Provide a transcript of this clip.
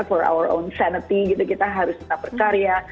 for our own sanity gitu kita harus tetap berkarya